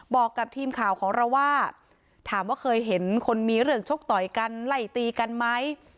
บอกกับทีมข่าวของเราว่าถามว่าเคยเห็นคนมีเรื่องชกต่อยกันไล่ตีกันไหม